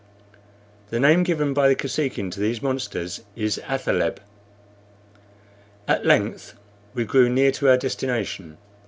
The name given by the Kosekin to these monsters is athaleb. At length we drew near to our destination.